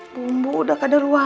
bumbu udah kadang ruasa